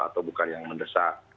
atau bukan yang mendesak